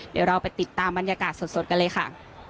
เดี๋ยวเราไปติดตามบรรยากาศสดกันเลยค่ะ